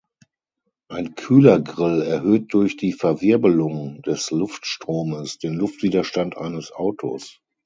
Ein Kühlergrill erhöht durch die Verwirbelung des Luftstromes den Luftwiderstand eines Autos.